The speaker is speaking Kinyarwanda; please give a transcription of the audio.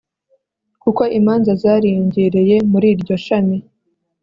kuko imanza zariyongereye muri iryo shami